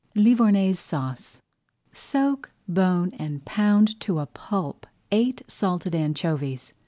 LIVOURNAISE SAUCE Soak, bone, and pound to a pulp eight salted anchovies.